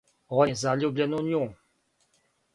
Он је заљубљен у њу.